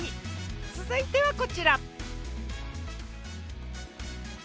続いてはこちら。